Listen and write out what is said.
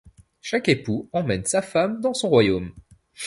Chaque époux emmène sa femme dans son royaume.